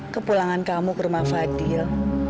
kepulangan kamu ke rumah fadil